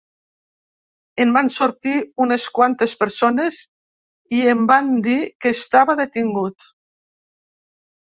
En van sortir unes quantes persones i em van dir que estava detingut.